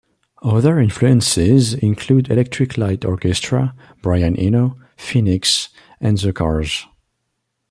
Other influences include Electric Light Orchestra, Brian Eno, Phoenix and The Cars.